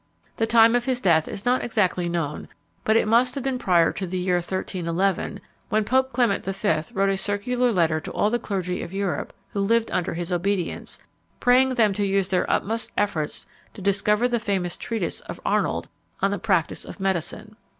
The time of his death is not exactly known; but it must have been prior to the year 1311, when Pope Clement V. wrote a circular letter to all the clergy of Europe who lived under his obedience, praying them to use their utmost efforts to discover the famous treatise of Arnold on The Practice of Medicine.